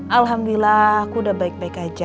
alhamdulillah aku udah baik baik aja